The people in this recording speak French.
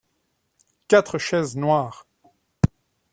Quatre chaises noires.